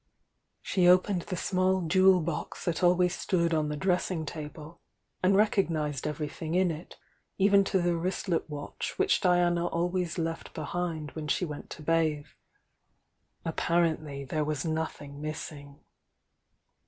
She opened Uie small jewel box that always stood on the dressing table, and reconiiaed everything in it, even to the wristlet ' watch which Diana always left behind when she went to bathe; apparently there was nothing miss ing.